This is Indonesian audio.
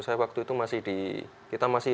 saya waktu itu masih di